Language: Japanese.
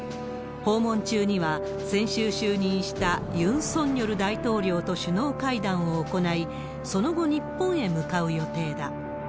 訪問中には、先週就任したユン・ソンニョル大統領と首脳会談を行い、その後、日本へ向かう予定だ。